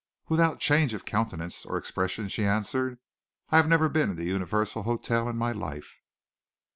Without change of countenance or expression she answered, "I have never been in the Universal Hotel in my life!"